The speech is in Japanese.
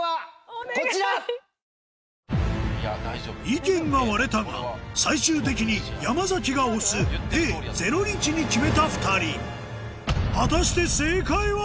意見が割れたが最終的に山が推すＡ「０日」に決めた２人果たして正解は？